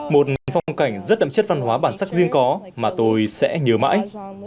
một nền phong cảnh rất đậm chất văn hóa bản sắc riêng có mà tôi sẽ nhớ mãi